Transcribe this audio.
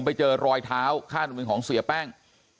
ไปเจอรอยเท้าคาดว่าเป็นของเสียแป้ง